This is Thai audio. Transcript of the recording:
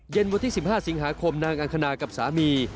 วันที่๑๕สิงหาคมนางอังคณากับสามี